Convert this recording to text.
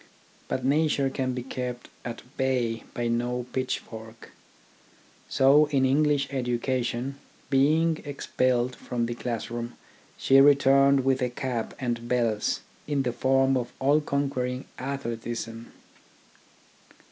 But nature can be kept at bay by no pitchfork ; so in English education, being expelled from the classroom, she returned with a cap and bells in the form of all conquering athleticism.